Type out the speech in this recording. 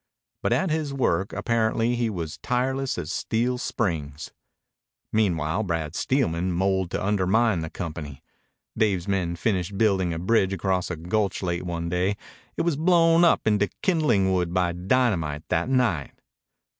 But at his work apparently he was tireless as steel springs. Meanwhile Brad Steelman moled to undermine the company. Dave's men finished building a bridge across a gulch late one day. It was blown up into kindling wood by dynamite that night.